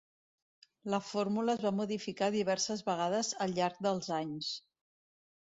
La fórmula es va modificar diverses vegades al llarg dels anys.